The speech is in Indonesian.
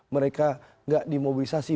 mereka nggak dimobilisasi